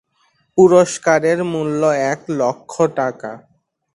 পুরস্কারের মূল্য এক লক্ষ টাকা।